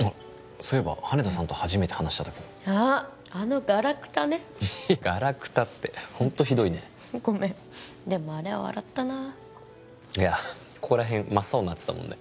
そういえば羽田さんと初めて話した時もあっあのガラクタねガラクタってホントひどいねごめんでもあれは笑ったないやここら辺真っ青になってたもんね